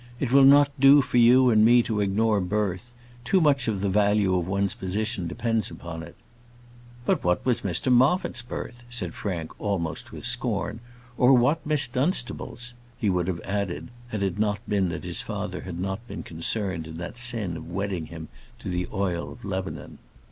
It will not do for you and me to ignore birth; too much of the value of one's position depends upon it." "But what was Mr Moffat's birth?" said Frank, almost with scorn; "or what Miss Dunstable's?" he would have added, had it not been that his father had not been concerned in that sin of wedding him to the oil of Lebanon.